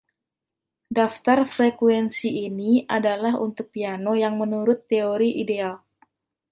Daftar frekuensi ini adalah untuk piano yang menurut teori ideal.